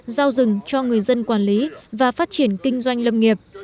giao rừng cho người dân quản lý và phát triển kinh doanh lâm nghiệp